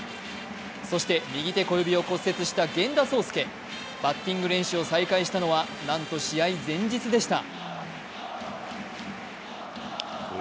そして、右手小指を骨折した源田壮亮。バッティング練習を再開したのはなんと試合前日でした。